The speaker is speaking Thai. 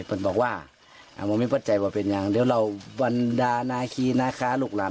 พ่อบอกว่ามามีพตตใจว่ามันเป็นยังเดียวเราบันดานาคีนหรัฐลูกล่า